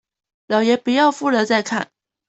老爺不要夫人在看